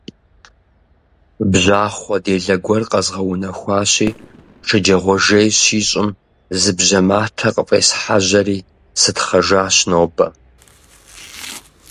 Бжьахъуэ делэ гуэр къэзгъэунэхуащи, шэджагъуэ жей щищӀым зы бжьэ матэ къыфӀесхьэжьэри сытхъэжащ нобэ.